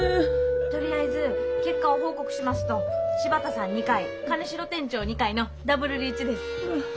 とりあえず結果を報告しますと柴田さん２回兼城店長２回のダブルリーチです。